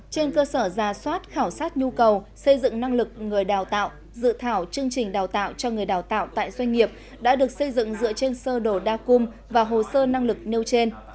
trên cơ sở giả soát khảo sát nhu cầu xây dựng năng lực người đào tạo dự thảo chương trình đào tạo cho người đào tạo tại doanh nghiệp đã được xây dựng dựa trên sơ đồ đa cung và hồ sơ năng lực nêu trên